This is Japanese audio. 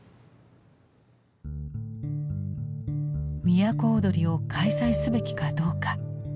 都をどりを開催すべきかどうか。